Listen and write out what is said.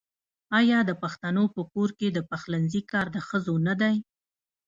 آیا د پښتنو په کور کې د پخلنځي کار د ښځو نه دی؟